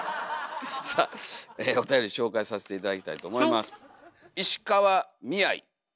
さあおたより紹介させて頂きたいと思います。